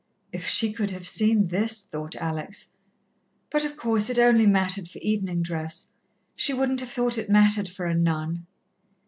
"If she could have seen this!" thought Alex. "But, of course, it only mattered for evening dress she wouldn't have thought it mattered for a nun."